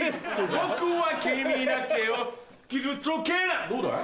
僕は君だけを傷つけないどうだい？